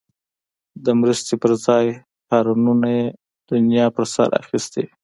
د مرستې پر ځای هارنونو یې دنیا په سر اخیستی وي.